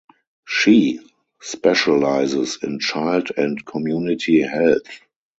She specialises in child and community health.